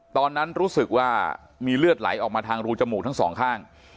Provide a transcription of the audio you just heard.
ตอนนั้นรู้สึกว่ามีเลือดไหลออกมาทางรูจมูกทั้งสองข้าง